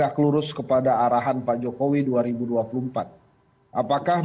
dan saya rasa ini adalah perhubungan yang sangat penting